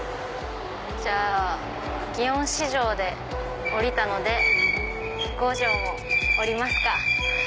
じゃあ祇園四条で降りたので五条も降りますか。